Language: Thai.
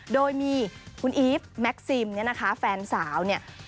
โดยมีคุณอีฟแม็กซิมเนี่ยนะคะแฟนสาวเนี่ย